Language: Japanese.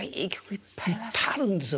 いっぱいあるんですよ。